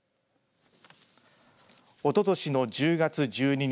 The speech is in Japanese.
おととしの１０月１２日